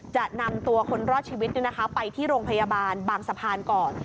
จะนำตัวคนรอดชีวิตไปที่โรงพยาบาลบางสะพานก่อน